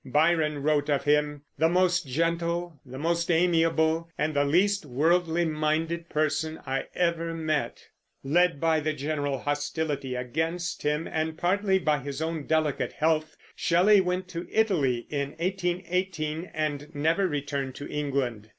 Byron wrote of him, "The most gentle, the most amiable, and the least worldly minded person I ever met!" Led partly by the general hostility against him, and partly by his own delicate health, Shelley went to Italy in 1818, and never returned to England.